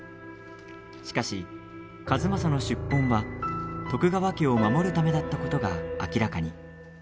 しかし、数正の出奔は徳川家を守るためだったことが明らかに。